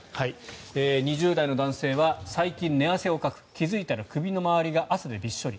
２０代の男性は最近、寝汗をかく気付いたら首の周りが汗でびっしょり。